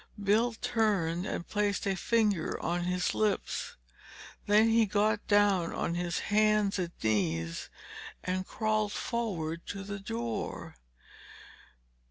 Bill turned and placed a finger on his lips. Then he got down on his hands and knees and crawled forward to the door.